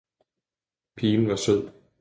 Pigen var sød.